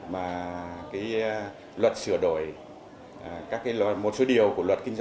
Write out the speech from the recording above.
mà luật sửa đổi một số điều của luật kinh tế